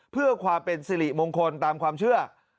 เพื่อความเป็นสิริมงคลตามความเชื่อ